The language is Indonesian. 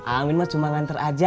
amin mah cuma ngantri aja